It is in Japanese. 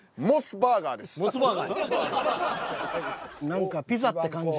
何かピザって感じ。